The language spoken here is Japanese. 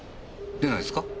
出ないですか？